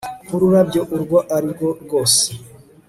Nkururabyo urwo arirwo rwose